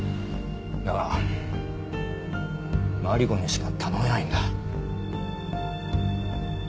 だがマリコにしか頼めないんだ。